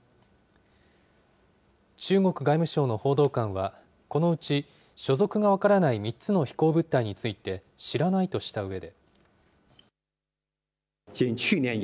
中国外務省の報道官は、このうち所属が分からない３つの飛行物体について、知らないとしたうえで。